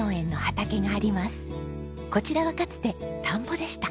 こちらはかつて田んぼでした。